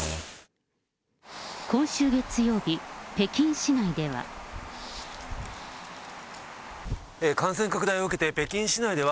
今週月曜日、北京市内では。